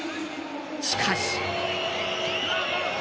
しかし。